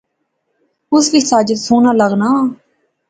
اس وی ساجد سوہنا لاغا